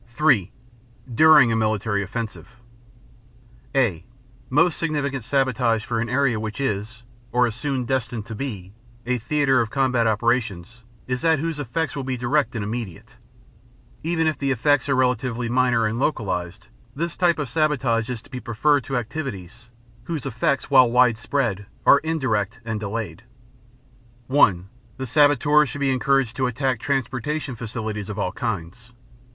(3) During a Military Offensive (a) Most significant sabotage for an area which is, or is soon destined to be, a theater of combat operations is that whose effects will be direct and immediate. Even if the effects are relatively minor and localized, this type of sabotage is to be preferred to activities whose effects, while widespread, are indirect and delayed. (1) The saboteur should be encouraged to attack transportation facilities of all kinds.